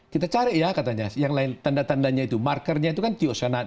kita cari ya yang lain tanda tandanya markernya itu kan thiocyanate